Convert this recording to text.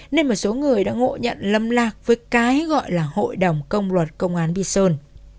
nên một số người đã ngộ nhận lâm lạc với cái gọi là hội đồng công luật công an bi sơn